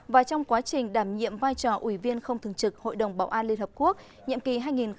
và trong quá trình đảm nhiệm vai trò ủy viên không thường trực hội đồng bảo an liên hợp quốc nhiệm kỳ hai nghìn hai mươi hai nghìn hai mươi một